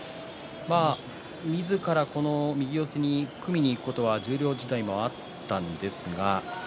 みずから右四つに組みにいくことは十両時代はあったんですが。